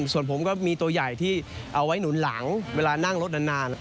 ส่วนผมก็มีตัวใหญ่ที่เอาไว้หนุนหลังเวลานั่งรถนาน